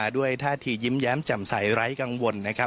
มาด้วยท่าที่ยิ้มแย้มจำใสไร้กังวล